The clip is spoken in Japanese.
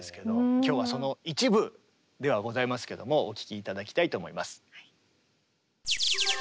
今日はその一部ではございますけどもお聴き頂きたいと思います。